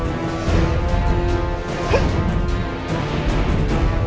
apakah kamu tahu